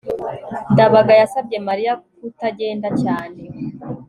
ndabaga yasabye mariya kutagenda cyane